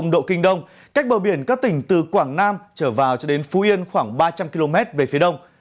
một trăm linh độ kinh đông cách bờ biển các tỉnh từ quảng nam trở vào cho đến phú yên khoảng ba trăm linh km về phía đông